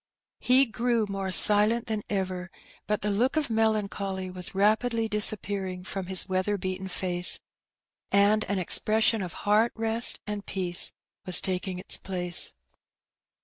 He grew more silent than ever; but the look of melancholy was rapidly disappearing from his weather beaten face, and an expression of heart rest and peace was taking its place.